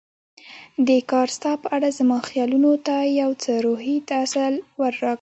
دې کار ستا په اړه زما خیالونو ته یو څه روحي تسل راکړ.